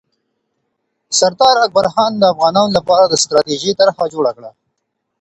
سردار اکبرخان د افغانانو لپاره د ستراتیژۍ طرحه جوړه کړه.